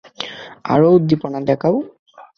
আরও উদ্দীপনা দেখাও।